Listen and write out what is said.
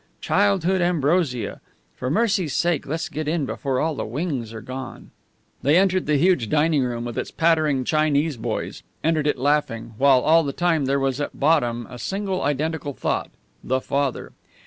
Childhood ambrosia! For mercy's sake, let's get in before all the wings are gone!" They entered the huge dining room with its pattering Chinese boys entered it laughing while all the time there was at bottom a single identical thought the father.